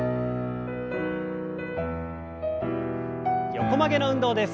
横曲げの運動です。